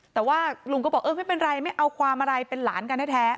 แต่ว่าลุงก็บอกเออไม่เป็นไรไม่เอาความอะไรเป็นหลานกันแท้